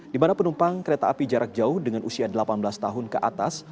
di mana penumpang kereta api jarak jauh dengan usia delapan belas tahun ke atas